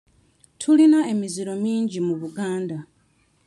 Tulina emiziro mingi mu Buganda.